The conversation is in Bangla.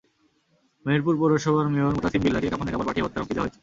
মেহেরপুর পৌরসভার মেয়র মোতাছিম বিল্লাহকে কাফনের কাপড় পাঠিয়ে হত্যার হুমকি দেওয়া হয়েছে।